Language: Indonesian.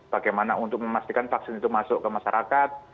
bagaimana untuk memastikan vaksin itu masuk ke masyarakat